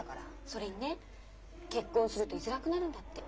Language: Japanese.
それにね結婚するといづらくなるんだって。